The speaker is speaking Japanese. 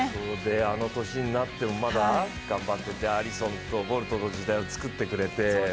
あの歳になってもまだ頑張っててアリソンとボルトの時代をつくってくれて。